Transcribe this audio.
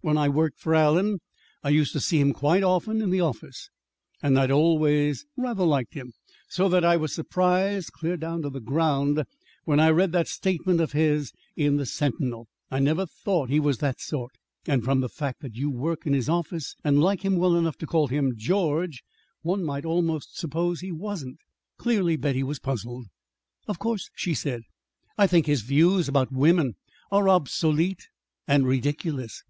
When I worked for Allen, I used to see him quite often in the office. And I'd always rather liked him. So that I was surprised, clear down to the ground, when I read that statement of his in the Sentinel. I'd never thought he was that sort. And from the fact that you work in his office and like him well enough to call him George one might almost suppose he wasn't." Clearly Betty was puzzled. "Of course," she said, "I think his views about women are obsolete and ridiculous.